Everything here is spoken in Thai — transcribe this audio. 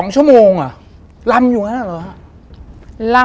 ๒ชั่วโมงลำอยู่อย่างนั้นเหรอฮะ